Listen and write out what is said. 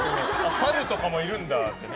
サルとかもいるんだって。